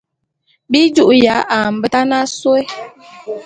Bi ju'uya a mbetan asôé.